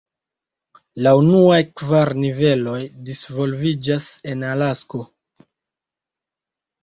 La unuaj kvar niveloj disvolviĝas en Alasko.